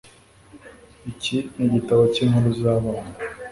Iki nigitabo cyinkuru zabana.